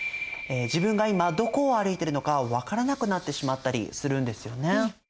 自分が今どこを歩いてるのか分からなくなってしまったりするんですよね。